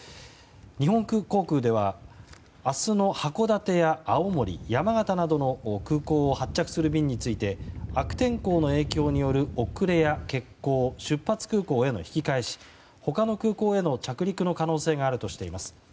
日本航空では、明日の函館や青森、山形などの空港を発着する便について悪天候の影響による遅れや欠航出発空港への引き返し他の空港への着陸の可能性があるとしています。